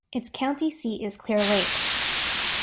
Its county seat is Clear Lake.